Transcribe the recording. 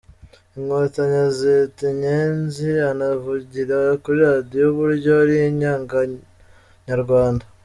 Inkontanyi azita “Inyenzi”anavugira kuri radio uburyo ari inyanganyarwanda.